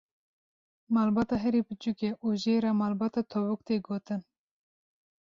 Malbata herî biçûk e û jê re malbata tovik tê gotin.